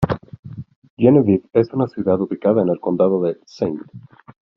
Genevieve es una ciudad ubicada en el condado de Ste.